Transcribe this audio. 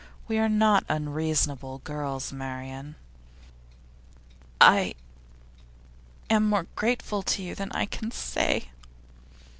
We are not unreasonable girls, Marian.' 'I am more grateful to you than I can say.